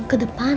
mau ke depan